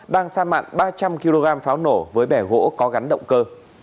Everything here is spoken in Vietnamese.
đang sa mạc ba trăm linh kg pháo nổ với bẻ gỗ có gắn động cơ